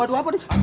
waduh apa nih